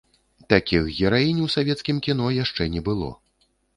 Такіх гераінь ў савецкім кіно яшчэ не было.